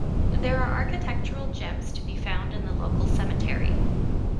There are architectural gems to be found in the local cemetery.